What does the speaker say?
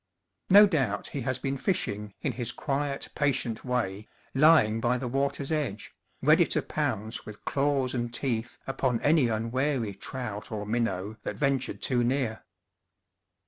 No doubt he has been fishing, in his quiet, patient way, lying by the water's edge, ready to pounce with claws and teeth upon any unwary trout or minnow that ventured too near.